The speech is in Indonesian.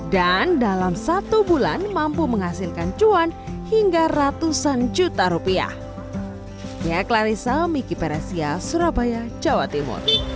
dan dalam satu bulan mampu menghasilkan cuan hingga ratusan juta rupiah